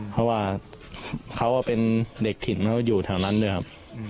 เพราะว่าเขาเป็นเด็กถิ่นเขาอยู่แถวนั้นด้วยครับ